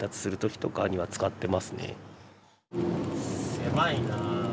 狭いな。